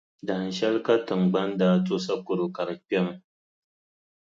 Dahinshɛli ka Tiŋgbani daa to sakɔro ka di kpɛmi.